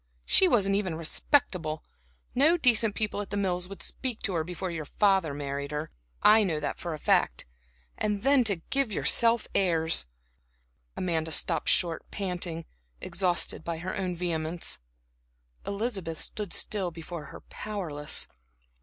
She wasn't even respectable; no decent people at The Mills would speak to her before your father married her I know that for a fact. And then to give yourself airs!" Amanda stopped short, panting, exhausted by her own vehemence. Elizabeth still stood before her powerless.